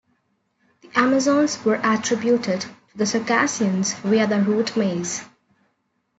The Amazons were attributed to the Circassians via the root "maze".